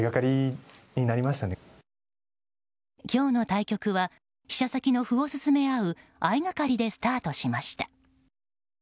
今日の対局は飛車先の歩を進め合う相掛かりでスタートしました。